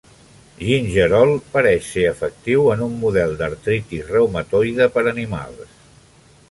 Gingerol pareix ser efectiu en un model d'artritis reumatoide per animals.